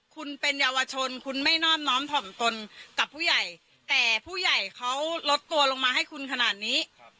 คุณเป็นเยาวชนคุณไม่นอบน้อมถ่อมตนกับผู้ใหญ่แต่ผู้ใหญ่เขาลดตัวลงมาให้คุณขนาดนี้